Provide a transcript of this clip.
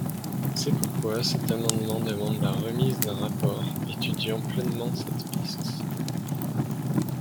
C’est pourquoi cet amendement demande la remise d’un rapport étudiant pleinement cette piste.